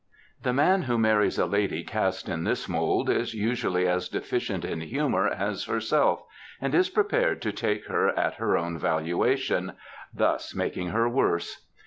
The man who marries a lady cast in this mould is usually as deficient in humour as herself, and is prepared to take her at her own valuation ŌĆö thus making her worse.